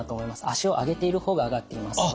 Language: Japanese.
脚を上げている方が上がっていますので。